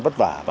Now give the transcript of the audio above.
cùng với đó